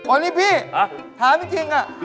อันนี้พี่หาไม่ถึง